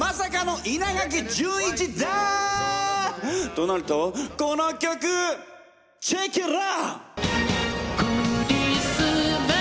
となるとこの曲！チェケラ！